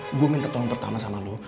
nih gue minta tolong pertama sama lu